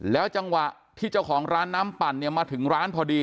จังหวะที่เจ้าของร้านน้ำปั่นเนี่ยมาถึงร้านพอดี